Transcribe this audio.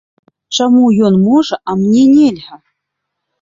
Чаму ён можа, а мне нельга?